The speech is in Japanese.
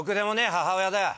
母親だよ